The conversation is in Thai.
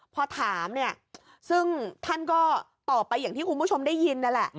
พอถามซึ่งท่านก็ต่อไปอย่างที่คุณผู้ชมได้ยิน